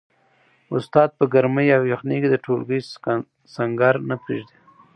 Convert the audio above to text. استاد په ګرمۍ او یخنۍ کي د ټولګي سنګر نه پریږدي.